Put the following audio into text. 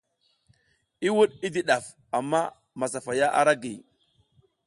I wuɗ i di ɗaf, amma masafaya ara giy.